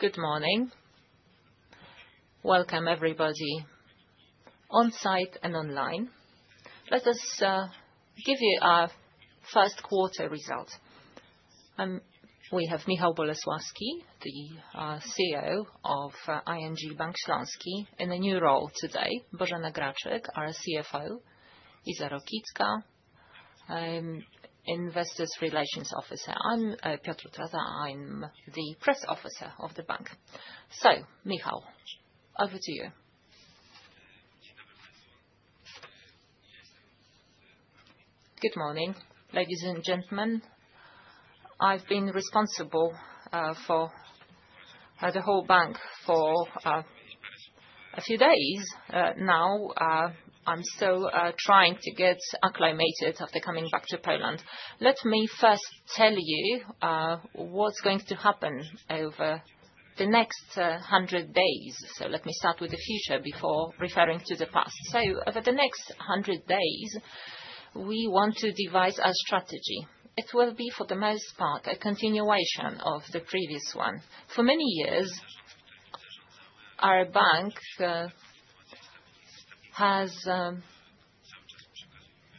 Good morning. Welcome, everybody, on site and online. Let us give you our first quarter results. We have Michał Bolesławski, the CEO of ING Bank Śląski, in a new role today. Bożena Graczyk, our CFO, Iza Rokicka, Investor Relations Officer. I'm Piotr Utrata, I'm the Press Officer of the bank. So, Michał, over to you. Good morning, ladies and gentlemen. I've been responsible for the whole bank for a few days now. I'm still trying to get acclimated after coming back to Poland. Let me first tell you what's going to happen over the next hundred days. So let me start with the future before referring to the past so over the next hundred days we want to devise our strategy. It will be for the most part a continuation of the previous one. For many years our bank has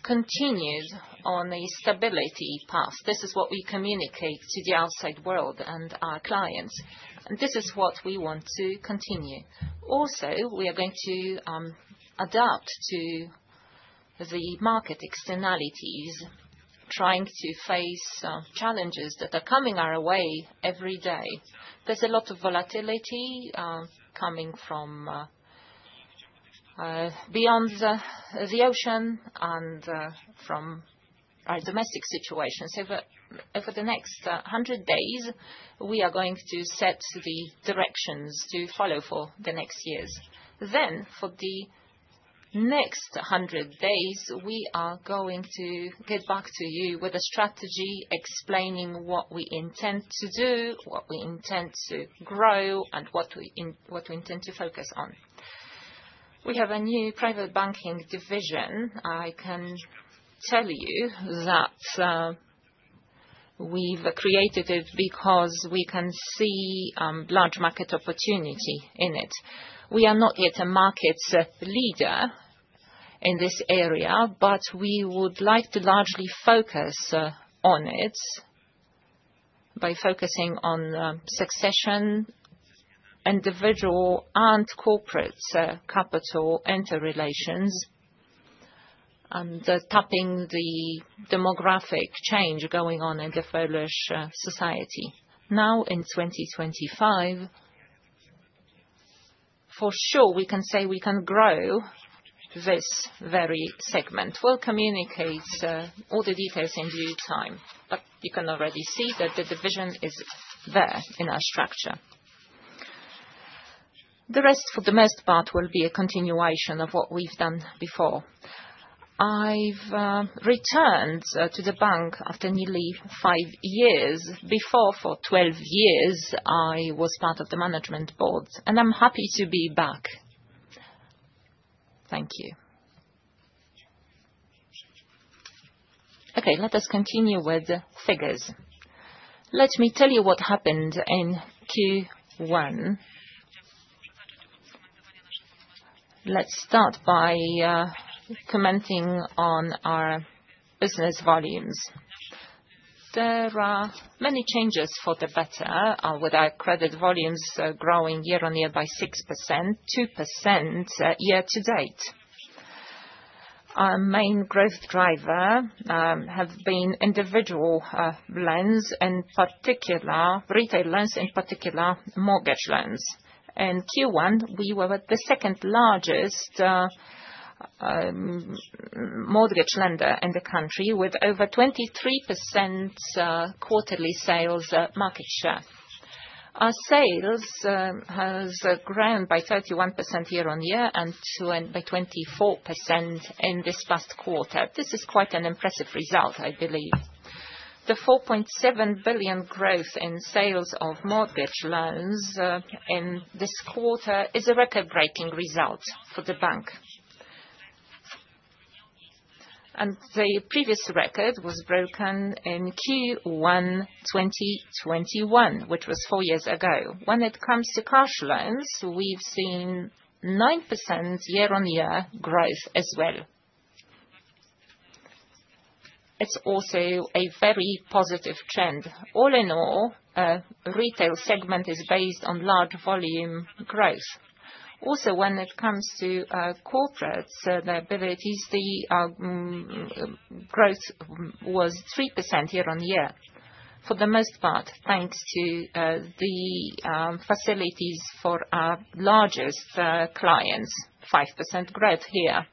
continued on a stability path. This is what we communicate to the outside world and our clients, and this is what we want to continue. Also we are going to adapt to the market externalities, trying to face challenges that are coming our way every day. There's a lot of volatility coming from beyond the ocean and from our domestic situation. Over the next 100 days, we are going to set the directions to follow for the next years. Then, for the next 100 days, we are going to get back to you with a strategy explaining what we intend to do, what we intend to grow, and what we intend to focus on. We have a new private banking division. I can tell you that we've created it because we can see large market opportunity in it. We are not yet a market leader in this area, but we would like to largely focus on it by focusing on succession, individual and corporate capital interrelations, and tapping the demographic change going on in the Polish society. Now, in 2025, for sure, we can say we can grow this very segment. We'll communicate all the details in due time, but you can already see that the division is there in our structure. The rest, for the most part, will be a continuation of what we've done before. I've returned to the bank after nearly five years. Before, for 12 years, I was part of the management board, and I'm happy to be back. Thank you. Okay, let us continue with the figures. Let me tell you what happened in Q1. Let's start by commenting on our business volumes. There are many changes for the better, with our credit volumes growing year on year by 6%, 2% year to date. Our main growth driver have been individual loans, in particular retail loans, in particular mortgage loans. In Q1, we were the second largest mortgage lender in the country, with over 23% quarterly sales market share. Our sales has grown by 31% year on year and by 24% in this past quarter. This is quite an impressive result, I believe. The 4.7 billion growth in sales of mortgage loans in this quarter is a record-breaking result for the bank. And the previous record was broken in Q1 2021, which was four years ago. When it comes to cash loans, we've seen 9% year on year growth as well. It's also a very positive trend. All in all, the retail segment is based on large volume growth. Also, when it comes to corporate lending, the growth was 3% year on year, for the most part, thanks to the facilities for our largest clients, 5% growth here.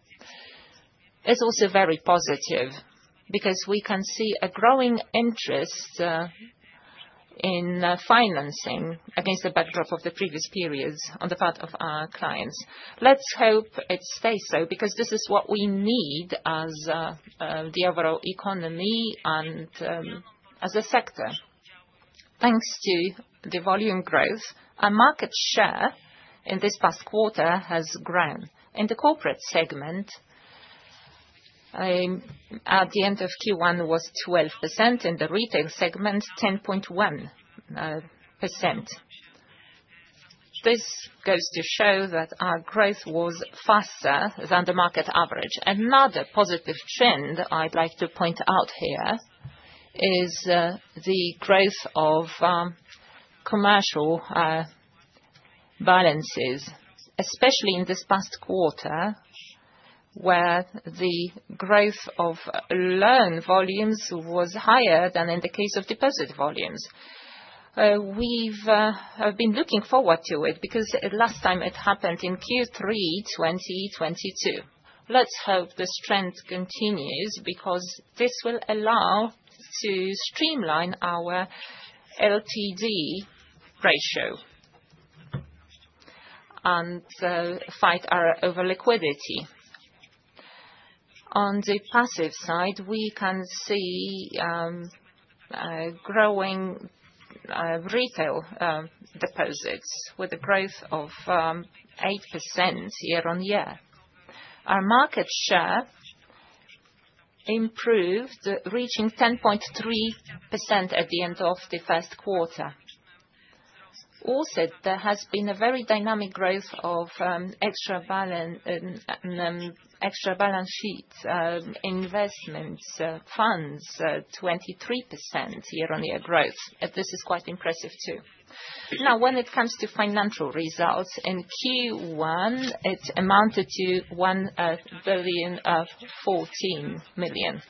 It's also very positive because we can see a growing interest in financing against the backdrop of the previous periods on the part of our clients. Let's hope it stays so because this is what we need as the overall economy and as a sector. Thanks to the volume growth, our market share in this past quarter has grown. In the corporate segment, at the end of Q1, it was 12%. In the retail segment, 10.1%. This goes to show that our growth was faster than the market average. Another positive trend I'd like to point out here is the growth of commercial balances, especially in this past quarter, where the growth of loan volumes was higher than in the case of deposit volumes. We've been looking forward to it because last time it happened in Q3 2022. Let's hope the trend continues because this will allow us to streamline our LTD ratio and fight our overliquidity. On the passive side, we can see growing retail deposits with a growth of 8% year on year. Our market share improved, reaching 10.3% at the end of the first quarter. Also, there has been a very dynamic growth of off-balance sheet investment funds, 23% year on year growth. This is quite impressive too. Now, when it comes to financial results, in Q1, it amounted to PLN 1.014 billion.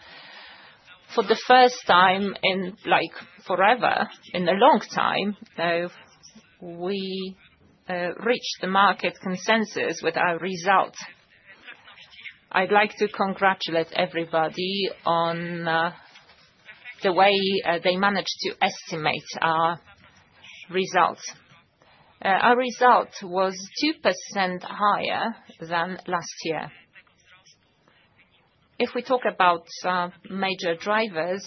For the first time in, like, forever, in a long time, we reached the market consensus with our result. I'd like to congratulate everybody on the way they managed to estimate our result. Our result was 2% higher than last year. If we talk about major drivers,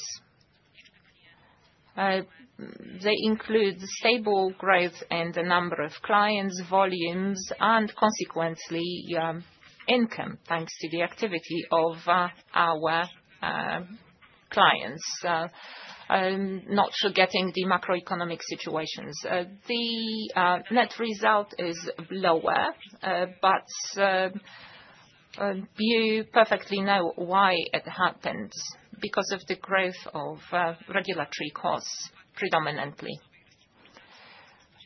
they include stable growth in the number of clients, volumes, and consequently, income, thanks to the activity of our clients. I'm not forgetting the macroeconomic situations. The net result is lower, but you perfectly know why it happened, because of the growth of regulatory costs predominantly.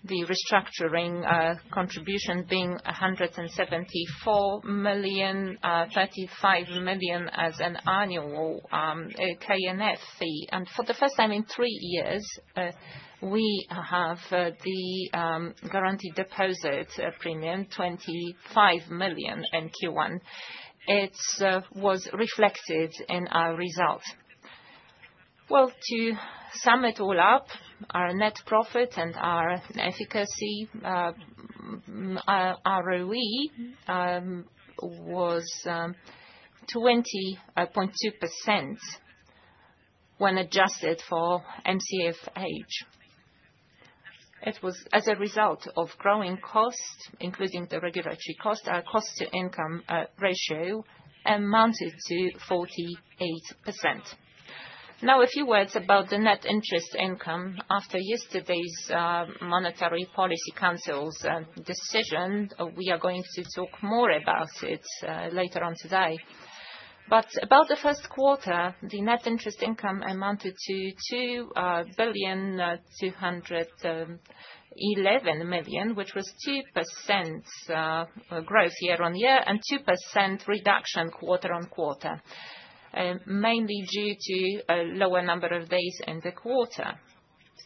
The restructuring contribution being 174 million, 35 million as an annual KNF fee. For the first time in three years, we have the guaranteed deposit premium, 25 million in Q1. It was reflected in our result. To sum it all up, our net profit and our efficiency ROE was 20.2% when adjusted for MCFH. It was as a result of growing costs, including the regulatory costs. Our cost-to-income ratio amounted to 48%. Now, a few words about the net interest income after yesterday's Monetary Policy Council's decision. We are going to talk more about it later on today. About the first quarter, the net interest income amounted to 2 billion 211 million, which was 2% growth year on year and 2% reduction quarter on quarter, mainly due to a lower number of days in the quarter.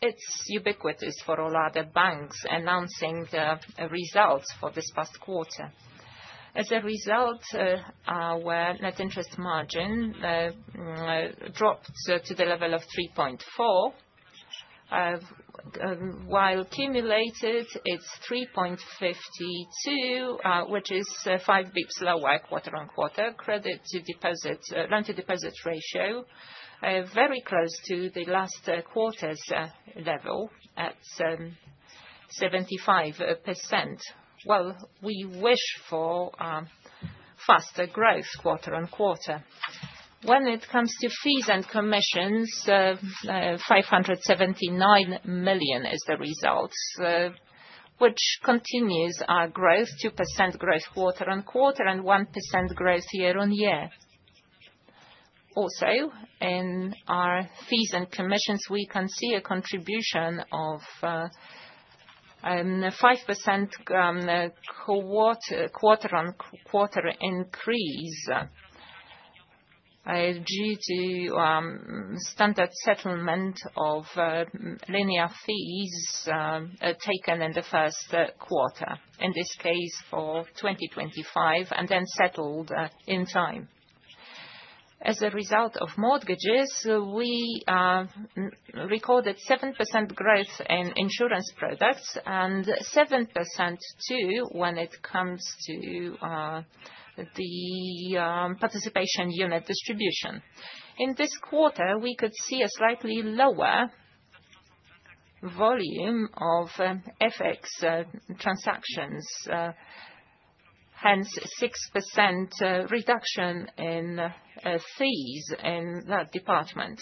It's ubiquitous for all other banks announcing the results for this past quarter. As a result, our net interest margin dropped to the level of 3.4, while cumulated it's 3.52, which is five basis points lower quarter on quarter. Credit-to-deposit loan-to-deposit ratio very close to the last quarter's level at 75%. Well, we wish for faster growth quarter on quarter. When it comes to fees and commissions, 579 million is the result, which continues our growth, 2% growth quarter on quarter and 1% growth year on year. Also, in our fees and commissions, we can see a contribution of 5% quarter-on-quarter increase due to standard settlement of linear fees taken in the first quarter, in this case for 2025, and then settled in time. As a result of mortgages, we recorded 7% growth in insurance products and 7% too when it comes to the participation unit distribution. In this quarter, we could see a slightly lower volume of FX transactions, hence 6% reduction in fees in that department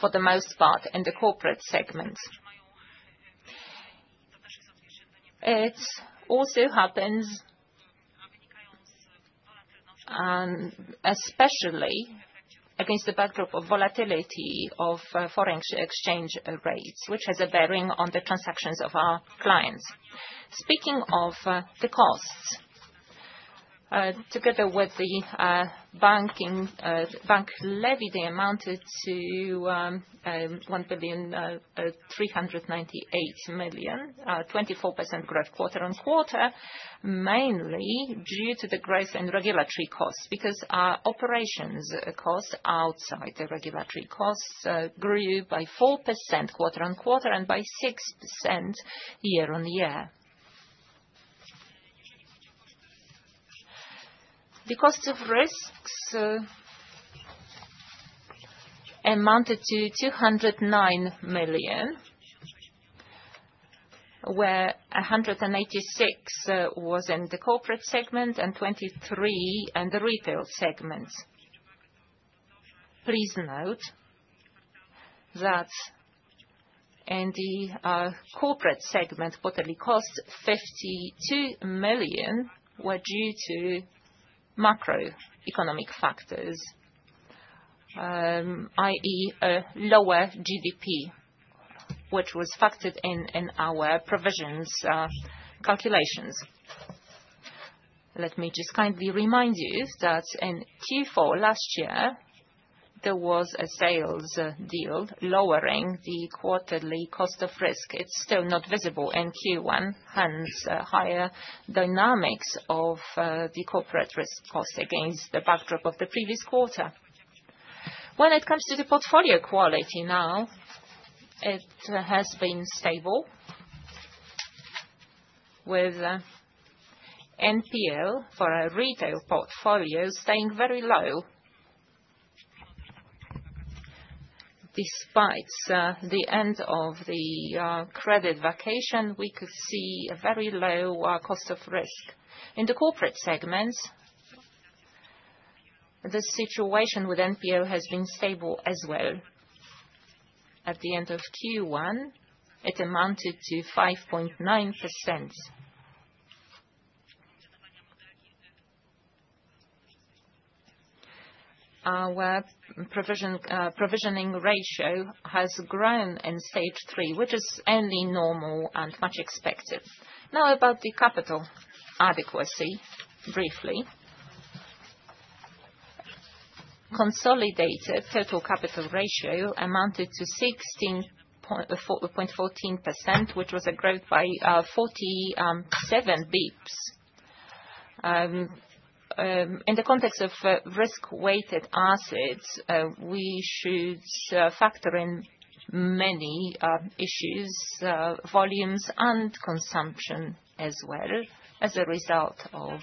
for the most part in the corporate segment. It also happens, especially against the backdrop of volatility of foreign exchange rates, which has a bearing on the transactions of our clients. Speaking of the costs, together with the bank levy, they amounted to 1 billion 398 million, 24% growth quarter on quarter, mainly due to the growth in regulatory costs because our operations costs outside the regulatory costs grew by 4% quarter on quarter and by 6% year on year. The cost of risk amounted to 209 million, where 186 million was in the corporate segment and 23 million in the retail segment. Please note that in the corporate segment, quarterly costs 52 million were due to macroeconomic factors, i.e., a lower GDP, which was factored in in our provisions calculations. Let me just kindly remind you that in Q4 last year, there was a sales deal lowering the quarterly cost of risk. It's still not visible in Q1, hence higher dynamics of the corporate risk cost against the backdrop of the previous quarter. When it comes to the portfolio quality now, it has been stable with NPL for a retail portfolio staying very low. Despite the end of the credit vacation, we could see a very low cost of risk. In the corporate segments, the situation with NPL has been stable as well. At the end of Q1, it amounted to 5.9%. Our provisioning ratio has grown in Stage 3, which is only normal and much expected. Now, about the capital adequacy briefly. Consolidated total capital ratio amounted to 16.14%, which was a growth by 47 basis points. In the context of risk-weighted assets, we should factor in many issues, volumes and consumption as well as a result of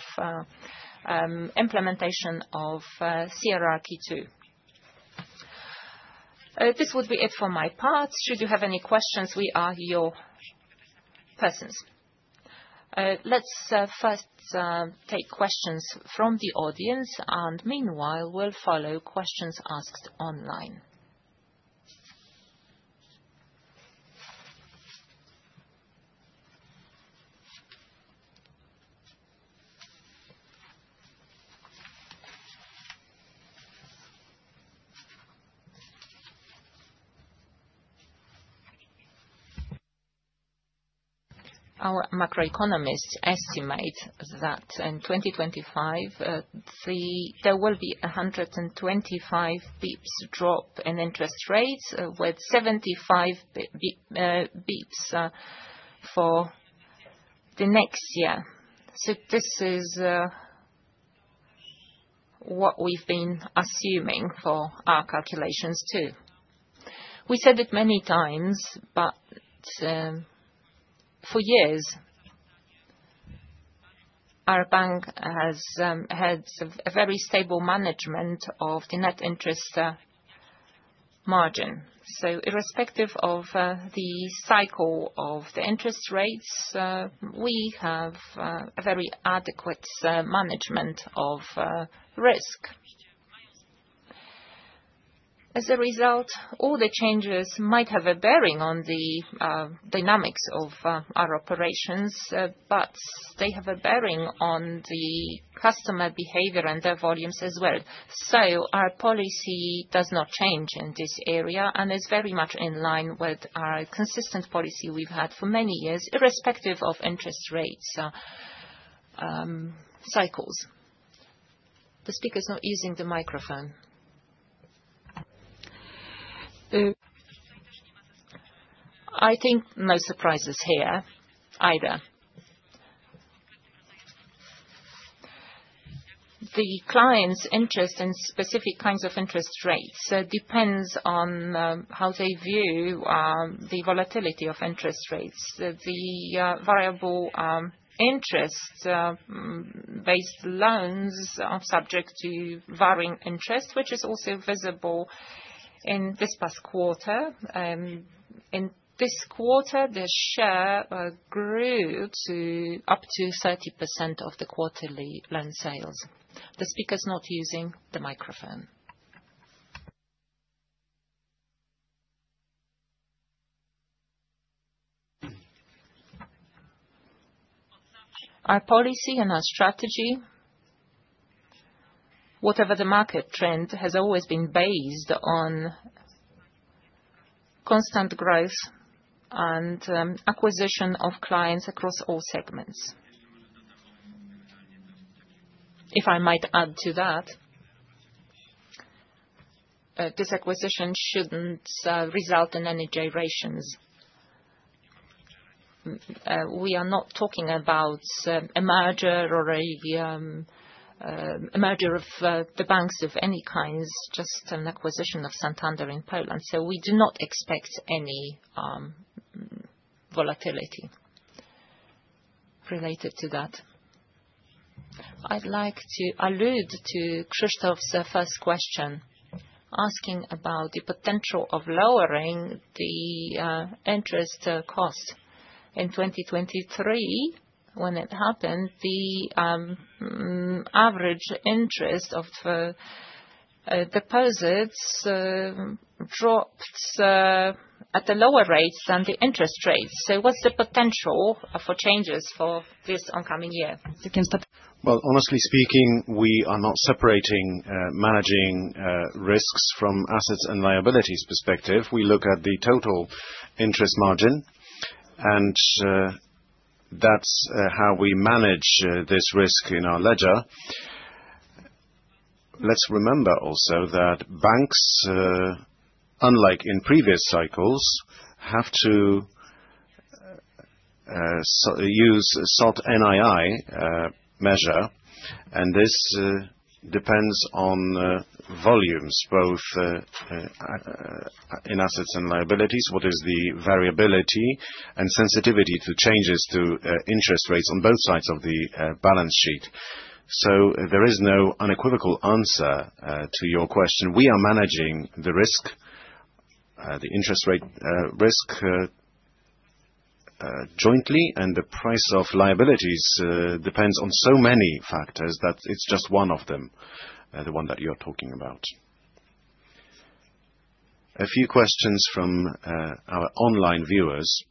implementation of CRR II. This would be it for my part. Should you have any questions, we are your persons. Let's first take questions from the audience, and meanwhile, we'll follow questions asked online. Our macroeconomists estimate that in 2025, there will be 125 basis points drop in interest rates with 75 basis points for the next year. So this is what we've been assuming for our calculations too. We said it many times, but for years, our bank has had a very stable management of the net interest margin. So irrespective of the cycle of the interest rates, we have a very adequate management of risk. As a result, all the changes might have a bearing on the dynamics of our operations, but they have a bearing on the customer behavior and their volumes as well. So our policy does not change in this area and is very much in line with our consistent policy we've had for many years, irrespective of interest rate cycles. I think no surprises here either. The client's interest in specific kinds of interest rates depends on how they view the volatility of interest rates. The variable interest based loans are subject to varying interest, which is also visible in this past quarter. In this quarter, the share grew to up to 30% of the quarterly loan sales. Our policy and our strategy, whatever the market trend, has always been based on constant growth and acquisition of clients across all segments. If I might add to that, this acquisition shouldn't result in any gyrations. We are not talking about a merger or a merger of the banks of any kind, just an acquisition of Santander in Poland. So we do not expect any volatility related to that. I'd like to allude to Krzysztof's first question asking about the potential of lowering the interest cost. In 2023, when it happened, the average interest of deposits dropped at a lower rate than the interest rate. So what's the potential for changes for this oncoming year? Honestly speaking, we are not separating managing risks from assets and liabilities perspective. We look at the total interest margin, and that's how we manage this risk in our ledger. Let's remember also that banks, unlike in previous cycles, have to use a standalone NII measure, and this depends on volumes, both in assets and liabilities, what is the variability and sensitivity to changes to interest rates on both sides of the balance sheet. So there is no unequivocal answer to your question. We are managing the risk, the interest rate risk, jointly, and the price of liabilities depends on so many factors that it's just one of them, the one that you're talking about. A few questions from our online viewers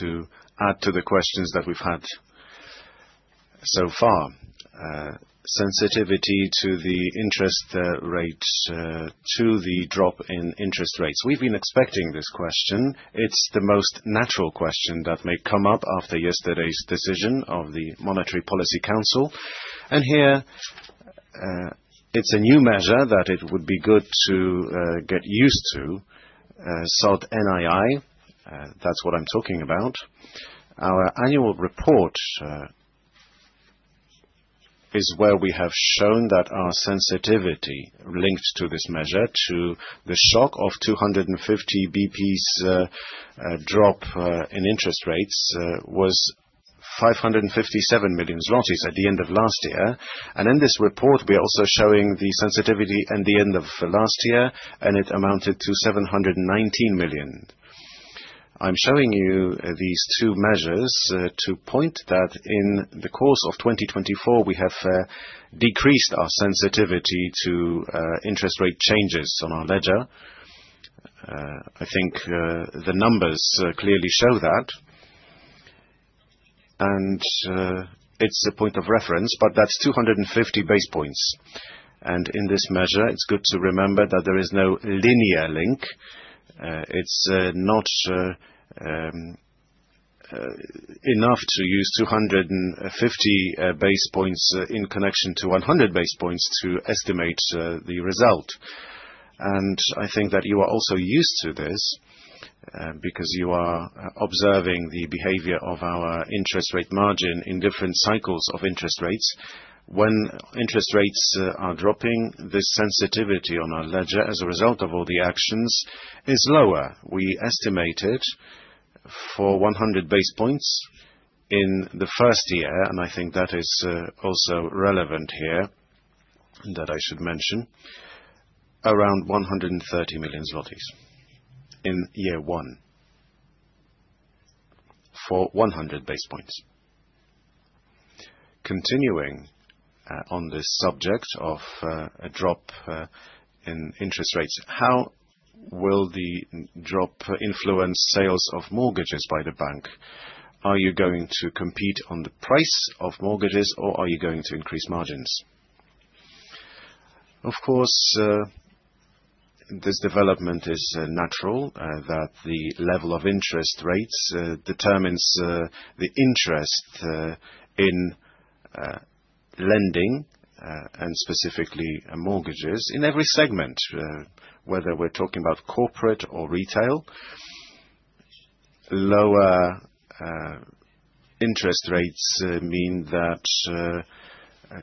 to add to the questions that we've had so far. Sensitivity to the interest rates, to the drop in interest rates. We've been expecting this question. It's the most natural question that may come up after yesterday's decision of the Monetary Policy Council. And here, it's a new measure that it would be good to get used to, standalone NII. That's what I'm talking about. Our annual report is where we have shown that our sensitivity linked to this measure to the shock of 250 basis points drop in interest rates was 557 million zlotys at the end of last year. And in this report, we are also showing the sensitivity at the end of last year, and it amounted to 719 million. I'm showing you these two measures to point that in the course of 2024, we have decreased our sensitivity to interest rate changes on our ledger. I think the numbers clearly show that. And it's a point of reference, but that's 250 basis points. And in this measure, it's good to remember that there is no linear link. It's not enough to use 250 basis points in connection to 100 basis points to estimate the result. And I think that you are also used to this, because you are observing the behavior of our interest rate margin in different cycles of interest rates. When interest rates are dropping, the sensitivity on our ledger as a result of all the actions is lower. We estimated for 100 basis points in the first year, and I think that is also relevant here that I should mention around 130 million zlotys in year one for 100 basis points. Continuing on this subject of a drop in interest rates, how will the drop influence sales of mortgages by the bank? Are you going to compete on the price of mortgages, or are you going to increase margins? Of course, this development is natural that the level of interest rates determines the interest in lending, and specifically mortgages, in every segment, whether we're talking about corporate or retail. Lower interest rates mean that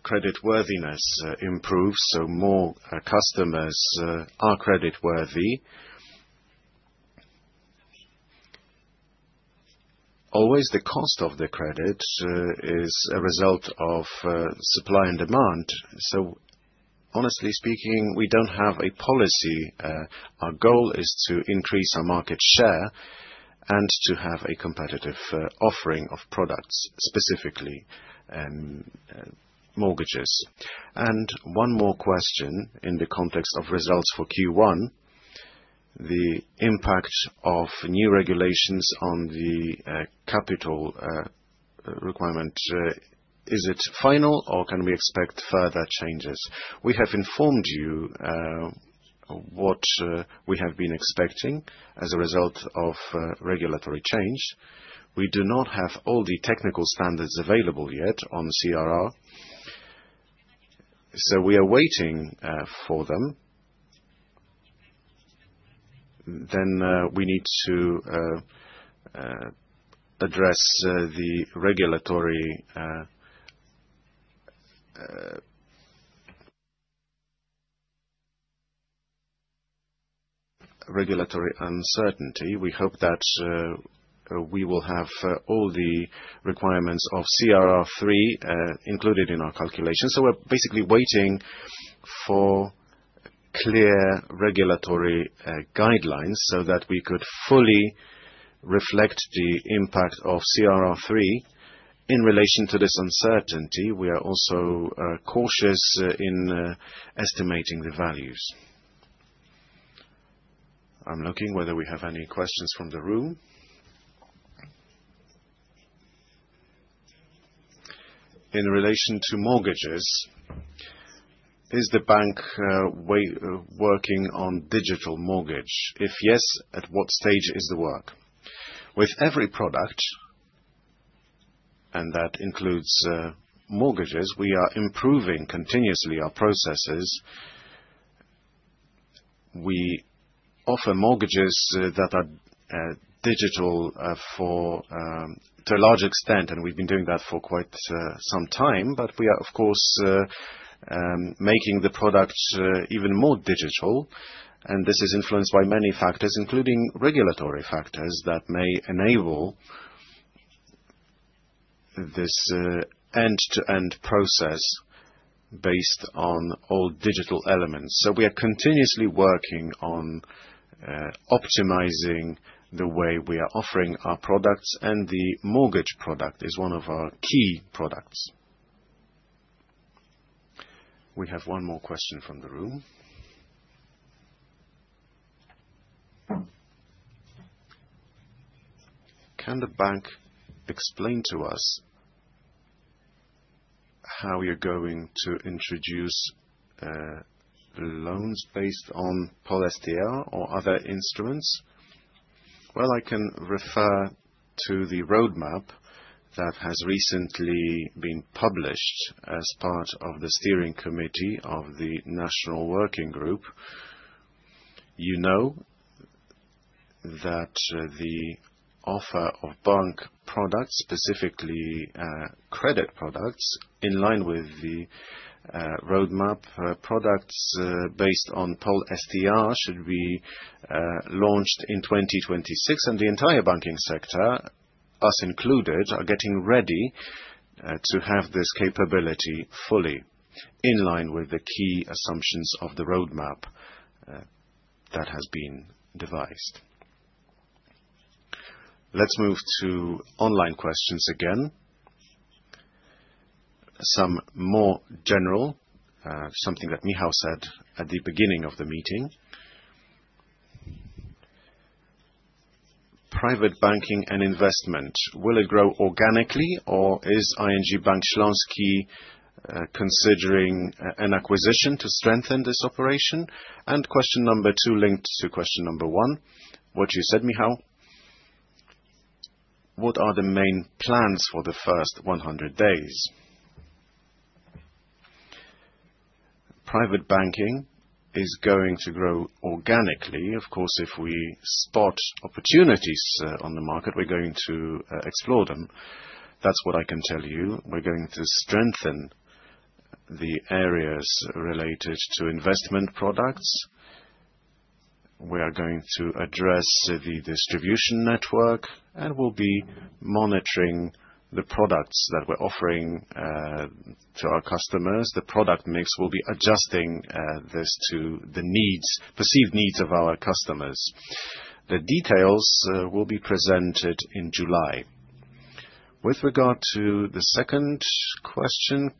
creditworthiness improves, so more customers are creditworthy. Always, the cost of the credit is a result of supply and demand. So, honestly speaking, we don't have a policy. Our goal is to increase our market share and to have a competitive offering of products, specifically, mortgages. And one more question in the context of results for Q1, the impact of new regulations on the capital requirement, is it final, or can we expect further changes? We have informed you what we have been expecting as a result of regulatory change. We do not have all the technical standards available yet on CRR, so we are waiting for them. We need to address the regulatory uncertainty. We hope that we will have all the requirements of CRR III included in our calculation. We're basically waiting for clear regulatory guidelines so that we could fully reflect the impact of CRR III in relation to this uncertainty. We are also cautious in estimating the values. I'm looking whether we have any questions from the room. In relation to mortgages, is the bank working on digital mortgage? If yes, at what stage is the work? With every product, and that includes mortgages, we are improving continuously our processes. We offer mortgages that are digital to a large extent, and we've been doing that for quite some time, but we are of course making the products even more digital. This is influenced by many factors, including regulatory factors that may enable this end-to-end process based on all digital elements. So we are continuously working on optimizing the way we are offering our products, and the mortgage product is one of our key products. We have one more question from the room. Can the bank explain to us how you are going to introduce loans based on POLONIA or other instruments? Well, I can refer to the roadmap that has recently been published as part of the steering committee of the National Working Group. You know that the offer of bank products, specifically credit products in line with the roadmap, products based on POLONIA should be launched in 2026. And the entire banking sector, us included, are getting ready to have this capability fully in line with the key assumptions of the roadmap that has been devised. Let's move to online questions again. Some more general, something that Michał said at the beginning of the meeting. Private banking and investment, will it grow organically, or is ING Bank Śląski considering an acquisition to strengthen this operation? Question number two is linked to question number one. What you said, Michał? What are the main plans for the first 100 days? Private banking is going to grow organically. Of course, if we spot opportunities on the market, we're going to explore them. That's what I can tell you. We're going to strengthen the areas related to investment products. We are going to address the distribution network and will be monitoring the products that we're offering to our customers. The product mix will be adjusting this to the needs, perceived needs of our customers. The details will be presented in July. With regard to the second question,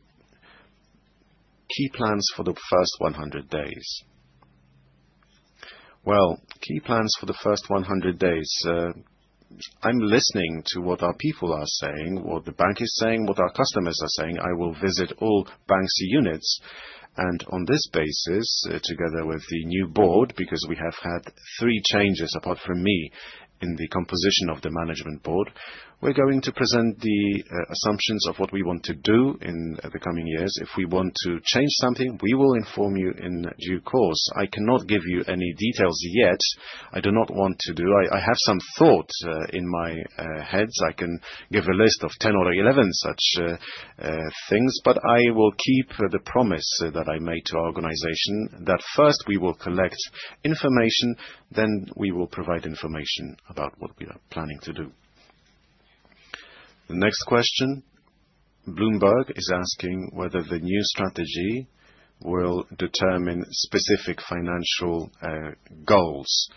key plans for the first 100 days. Key plans for the first 100 days. I'm listening to what our people are saying, what the bank is saying, what our customers are saying. I will visit all bank's units, and on this basis, together with the new board, because we have had three changes apart from me in the composition of the management board, we're going to present the assumptions of what we want to do in the coming years. If we want to change something, we will inform you in due course. I cannot give you any details yet. I do not want to do. I have some thoughts in my head. I can give a list of 10 or 11 such things, but I will keep the promise that I made to our organization that first we will collect information, then we will provide information about what we are planning to do. The next question, Bloomberg is asking whether the new strategy will determine specific financial goals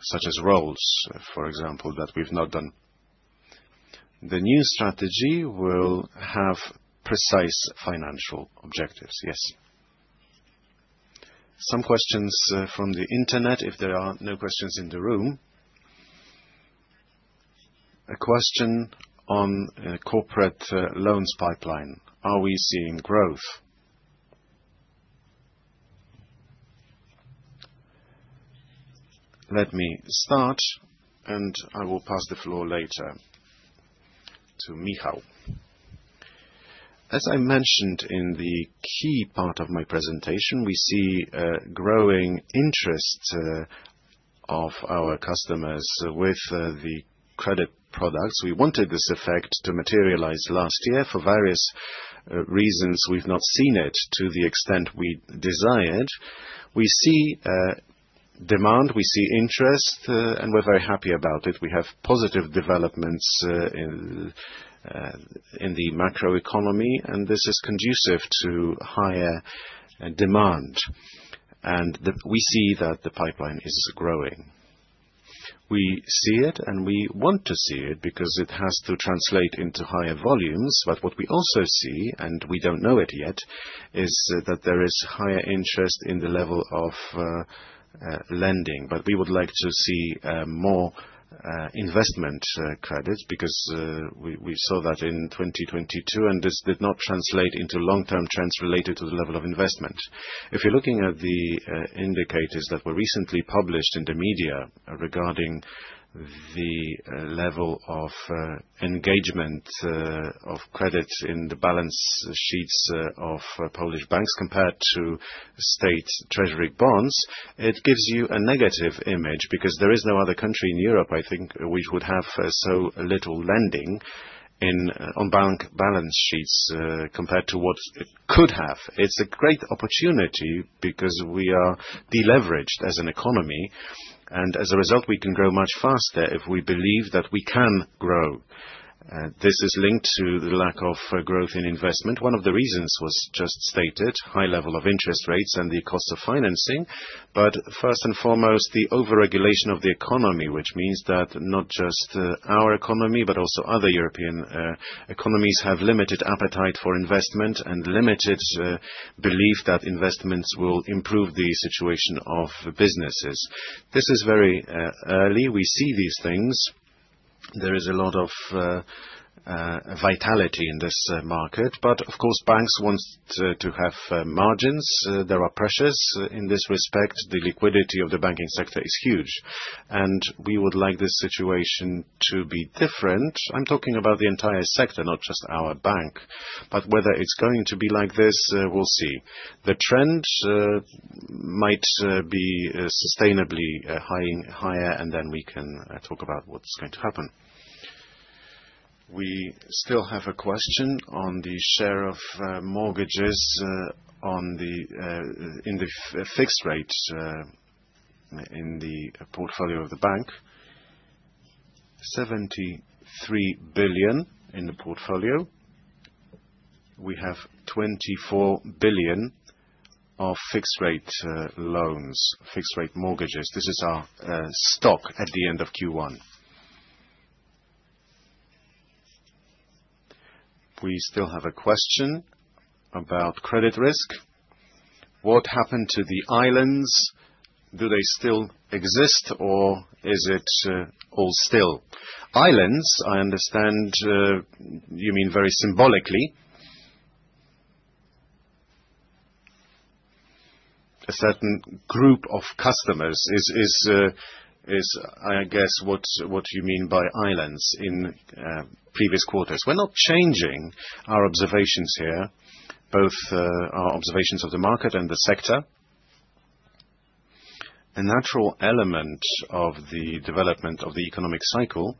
such as ROEs, for example, that we've not done. The new strategy will have precise financial objectives. Yes. Some questions from the internet if there are no questions in the room. A question on corporate loans pipeline. Are we seeing growth? Let me start, and I will pass the floor later to Michał. As I mentioned in the key part of my presentation, we see a growing interest of our customers with the credit products. We wanted this effect to materialize last year for various reasons. We've not seen it to the extent we desired. We see demand, we see interest, and we're very happy about it. We have positive developments in the macroeconomy, and this is conducive to higher demand. And then we see that the pipeline is growing. We see it, and we want to see it because it has to translate into higher volumes. But what we also see, and we don't know it yet, is that there is higher interest in the level of lending. But we would like to see more investment credits because we saw that in 2022, and this did not translate into long-term trends related to the level of investment. If you're looking at the indicators that were recently published in the media regarding the level of engagement of credits in the balance sheets of Polish banks compared to State Treasury bonds, it gives you a negative image because there is no other country in Europe, I think, which would have so little lending on bank balance sheets, compared to what it could have. It's a great opportunity because we are deleveraged as an economy, and as a result, we can grow much faster if we believe that we can grow. This is linked to the lack of growth in investment. One of the reasons was just stated: high level of interest rates and the cost of financing. But first and foremost, the overregulation of the economy, which means that not just our economy, but also other European economies have limited appetite for investment and limited belief that investments will improve the situation of businesses. This is very early. We see these things. There is a lot of vitality in this market. But of course, banks want to have margins. There are pressures in this respect. The liquidity of the banking sector is huge, and we would like this situation to be different. I'm talking about the entire sector, not just our bank, but whether it's going to be like this, we'll see. The trend might be sustainably higher, and then we can talk about what's going to happen. We still have a question on the share of mortgages in the fixed rates in the portfolio of the bank. 73 billion in the portfolio. We have 24 billion of fixed rate loans, fixed rate mortgages. This is our stock at the end of Q1. We still have a question about credit risk. What happened to the islands? Do they still exist, or is it all still? Islands, I understand you mean very symbolically. A certain group of customers is, I guess, what you mean by islands in previous quarters. We're not changing our observations here, both our observations of the market and the sector. A natural element of the development of the economic cycle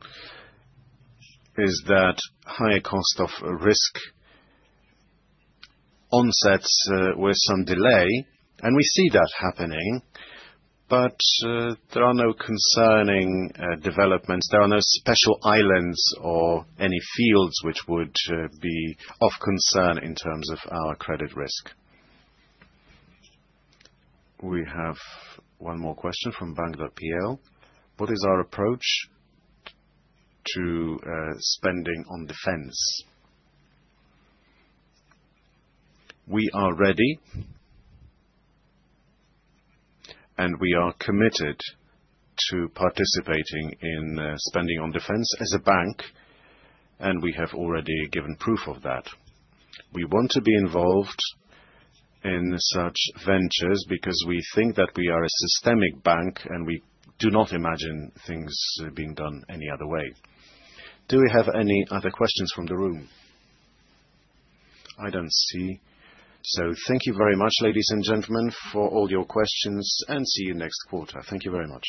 is that higher cost of risk onsets, with some delay, and we see that happening, but there are no concerning developments. There are no special islands or any fields which would be of concern in terms of our credit risk. We have one more question from Bank.pl. What is our approach to spending on defense? We are ready and we are committed to participating in spending on defense as a bank, and we have already given proof of that. We want to be involved in such ventures because we think that we are a systemic bank, and we do not imagine things being done any other way. Do we have any other questions from the room? I don't see, so thank you very much, ladies and gentlemen, for all your questions, and see you next quarter. Thank you very much.